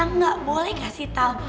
gak boleh gak sih tal